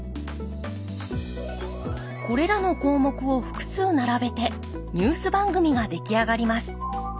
これらの項目を複数並べてニュース番組が出来上がります。